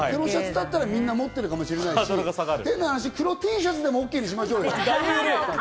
黒シャツだったらみんな持ってるかもしれないし、変な話、黒ＴシャツでもＯＫにしましょうよ。